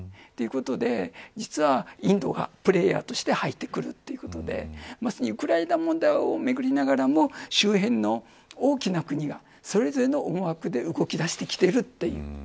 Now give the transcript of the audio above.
ということで実はインドがプレーヤーとして入ってくるということでまさにウクライナ問題をめぐりながらも周辺の大きな国がそれぞれの思惑で動き出してきているという。